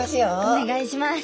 お願いします。